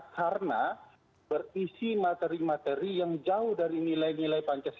karena berisi materi materi yang jauh lebih jauh dari pns